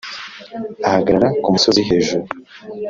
ahagarara ku musozi hejuru